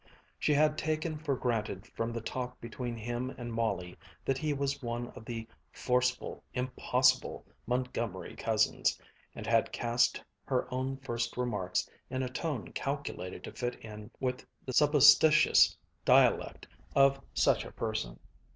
She had taken for granted from the talk between him and Molly that he was one of the "forceful, impossible Montgomery cousins," and had cast her own first remarks in a tone calculated to fit in with the supposititious dialect of such a person.